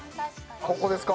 ここですか？